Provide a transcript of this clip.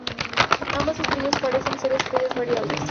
Ambas estrellas parecen ser estrellas variables.